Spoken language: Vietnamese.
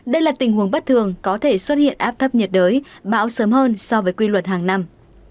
đây là tình huống bất thường có thể xuất hiện áp thấp nhiệt đới bão sớm hơn so với quy luật hàng năm